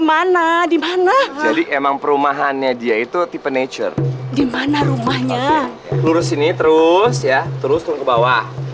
maaf ya rin harus pambah